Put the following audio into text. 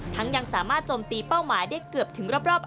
ยังสามารถจมตีเป้าหมายได้เกือบถึงรอบ